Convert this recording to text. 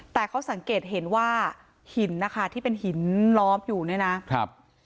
แต่เขาสังเกตเห็นว่าหินนะคะที่เป็นหินล้อมอยู่เนี่ยนะครับ